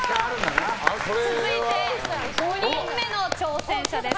続いて、５人目の挑戦者です。